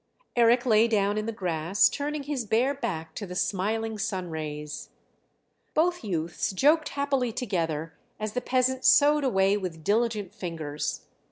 Eric lay down in the grass, turning his bare back to the smiling sun rays. Both youths joked happily together, as the peasant sewed away with diligent fingers.